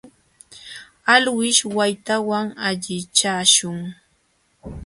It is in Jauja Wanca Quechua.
Alwish waytawan allichashun.